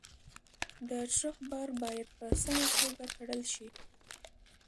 د ټرک بار باید په سمه توګه تړل شي.